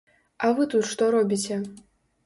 А вы тут што робіце?